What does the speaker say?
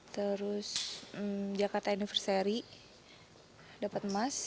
terus jakarta anniversary dapat emas